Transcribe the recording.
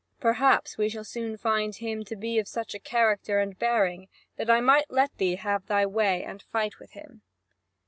Perhaps we shall soon find him to be of such a character and bearing that I might let thee have thy way and fight with him."